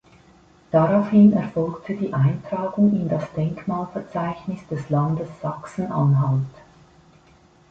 Daraufhin erfolgte die Eintragung in das Denkmalverzeichnis des Landes Sachsen-Anhalt.